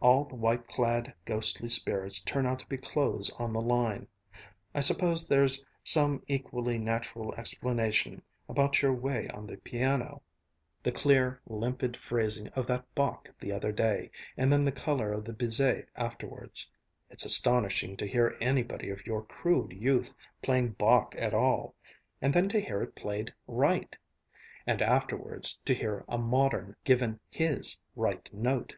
All the white clad, ghostly spirits turn out to be clothes on the line. I suppose there's some equally natural explanation about your way on the piano the clear, limpid phrasing of that Bach the other day, and then the color of the Bizet afterwards. It's astonishing to hear anybody of your crude youth playing Bach at all and then to hear it played right and afterwards to hear a modern given his right note...."